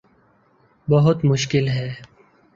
بہت مشکل ہے